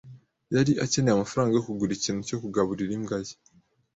Yari akeneye amafaranga yo kugura ikintu cyo kugaburira imbwa ye.